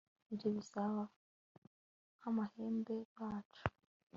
Ibyo bisa nkamahembe yacu